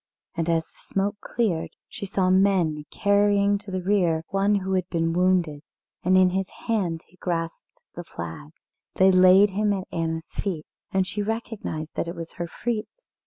And as the smoke cleared she saw men carrying to the rear one who had been wounded, and in his hand he grasped the flag. They laid him at Anna's feet, and she recognised that it was her Fritz.